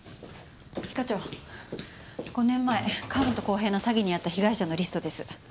一課長５年前川本浩平の詐欺に遭った被害者のリストです。